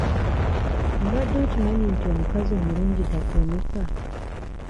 Obadde okimanyi nti omukazi omulungi takuumika?